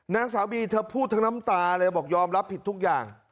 นางสาวบีเธอพูดทั้งน้ำตาเลยบอกยอมรับผิดทุกอย่าง